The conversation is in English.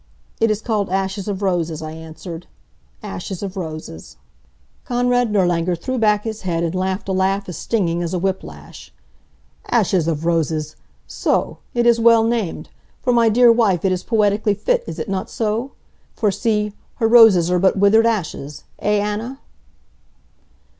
"It is called ashes of roses," I answered. "Ashes of roses." Konrad Nirlanger threw back his head and laughed a laugh as stinging as a whip lash. "Ashes of roses! So? It is well named. For my dear wife it is poetically fit, is it not so? For see, her roses are but withered ashes, eh Anna?"